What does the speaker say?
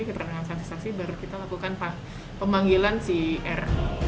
keterangan saksi saksi baru kita lakukan pemanggilan si r